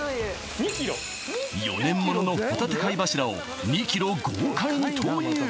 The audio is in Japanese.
２ｋｇ４年もののホタテ貝柱を２ｋｇ豪快に投入